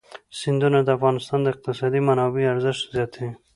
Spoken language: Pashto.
سیندونه د افغانستان د اقتصادي منابعو ارزښت زیاتوي.